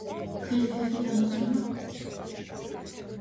დღეს ფეხი დამეჭიმა